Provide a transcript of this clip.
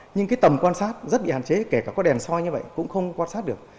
nhưng cái tầm quan sát rất bị hạn chế kể cả có đèn soi như vậy cũng không quan sát được